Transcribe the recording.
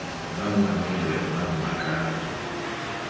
Mamma mie, mamma car.